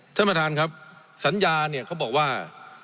ท่านประธานครับสัญญาเนี่ยเขาบอกว่า